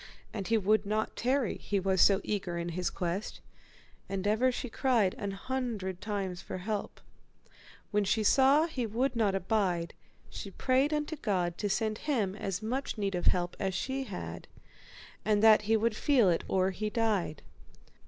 And he would not tarry, he was so eager in his quest, and ever she cried an hundred times after help. When she saw he would not abide, she prayed unto God to send him as much need of help as she had, and that he might feel it or he died.